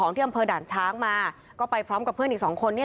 แล้วก็ได้คุยกับนายวิรพันธ์สามีของผู้ตายที่ว่าโดนกระสุนเฉียวริมฝีปากไปนะคะ